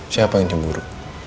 siapa yang cemburu